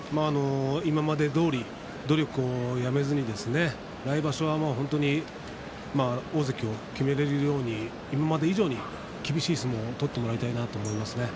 今までどおり努力をやめずに来場所は、本当に大関を決められるように今まで以上に厳しい相撲を取ってもらいたいなと思いますね。